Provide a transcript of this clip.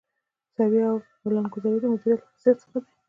سروې او پلانګذاري د مدیریت له خصوصیاتو څخه دي.